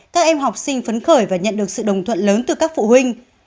các em học sinh phấn khởi và nhận được sự đồng thuận lớn từ các phụ huynh